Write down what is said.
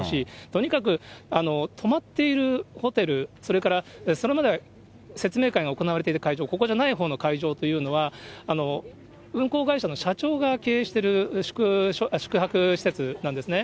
とにかく泊まっているホテル、それから、それまでは説明会が行われていた会場、ここじゃないほうの会場というのは、運航会社の社長が経営してる宿泊施設なんですね。